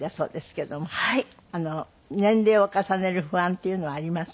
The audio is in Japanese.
年齢を重ねる不安っていうのはあります？